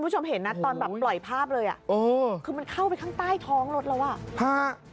คุณผู้ชมเห็นนะตอนแบบปล่อยภาพเลยอ่ะเออคือมันเข้าไปข้างใต้ท้องรถแล้วอ่ะฮะ